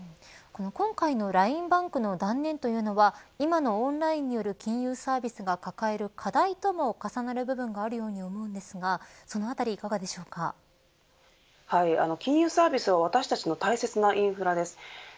今回のＬＩＮＥＢａｎｋの断念というのは今のオンラインによる金融サービスが抱える課題とも重なる部分があるように思うんですが金融サービスは私たちの大切なインフラです。